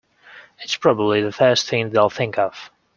It's probably the first thing they'll think of.